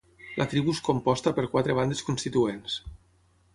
La tribu és composta per quatre bandes constituents.